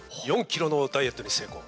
４キロのダイエットに成功。